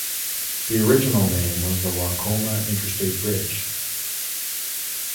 The original name was the Waucoma Interstate Bridge.